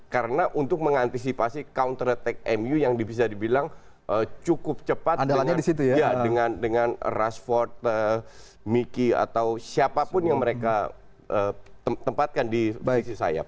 karena untuk mengantisipasi counter attack mu yang bisa dibilang cukup cepat dengan rashford miki atau siapapun yang mereka tempatkan di sisi sayap